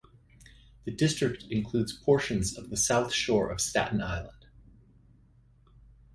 The district includes portions of the South shore of Staten Island.